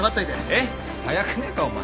えっ早くねえかお前。